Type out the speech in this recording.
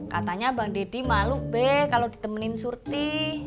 katanya bang deddy malu be kalau ditemenin surti